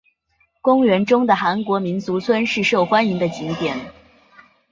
公园中的韩国民俗村是受欢迎的景点。